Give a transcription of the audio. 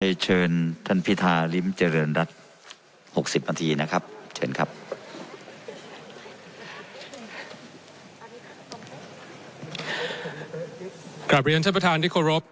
ให้เชิญท่านพิธาริมเจริญรัฐ๖๐นาทีนะครับเชิญครับ